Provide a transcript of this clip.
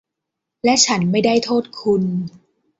และฉันไม่ได้โทษคุณ